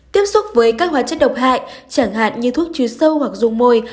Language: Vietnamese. tiếp xúc với các hóa chất độc hại chẳng hạn như thuốc chứa sâu hoặc dùng môi